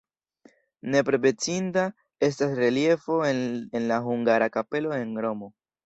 Nepre menciinda estas reliefo en la hungara kapelo en Romo.